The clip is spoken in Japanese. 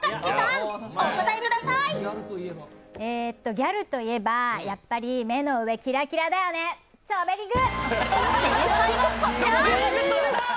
ギャルといえば、やっぱり目の上キラキラだよね、チョベリグ！